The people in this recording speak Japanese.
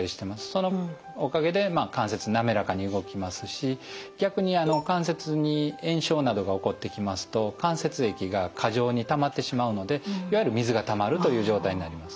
そのおかげで関節滑らかに動きますし逆に関節に炎症などが起こってきますと関節液が過剰にたまってしまうのでいわゆる水がたまるという状態になります。